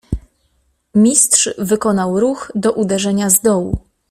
"Mistrz wykonał ruch do uderzenia z dołu."